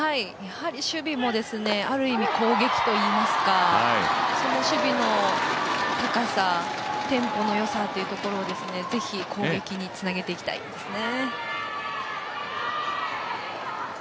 守備もある意味、攻撃といいますか、その守備の高さテンポの良さというところを是非、攻撃につなげていきたいですね。